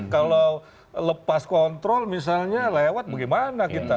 kalau lepas kontrol misalnya lewat bagaimana kita